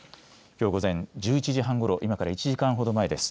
きょう午前１１時半ごろ今から１時間ほど前です。